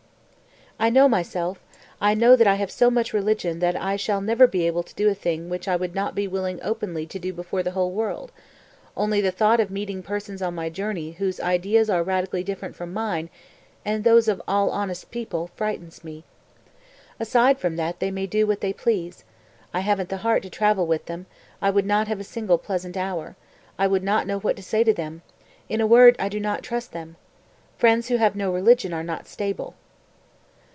246. "I know myself; I know that I have so much religion that I shall never be able to do a thing which I would not be willing openly to do before the whole world; only the thought of meeting persons on my journeys whose ideas are radically different from mine (and those of all honest people) frightens me. Aside from that they may do what they please. I haven't the heart to travel with them, I would not have a single pleasant hour, I would not know what to say to them; in a word I do not trust them. Friends who have no religion are not stable."